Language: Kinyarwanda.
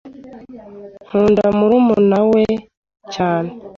Nkunda murumuna we cyane.